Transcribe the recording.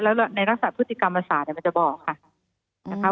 แล้วในลักษณะพฤติกรรมศาสตร์มันจะบอกค่ะนะคะ